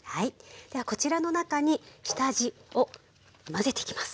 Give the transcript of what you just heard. ではこちらの中に下味を混ぜていきます。